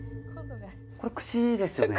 これくしですよね？